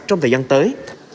trong thời gian tới